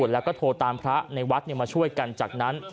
แล้วก็โทรตามพระในวัดมาช่วยกันจากนั้น